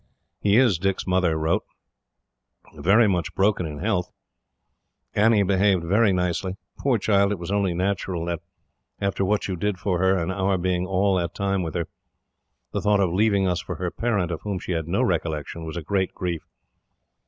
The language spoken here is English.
"He is," Dick's mother wrote, "very much broken in health. Annie behaved very nicely. Poor child, it was only natural that, after what you did for her, and our being all that time with her, the thought of leaving us for her parent, of whom she had no recollection, was a great grief.